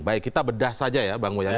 baik kita bedah saja ya bang muyani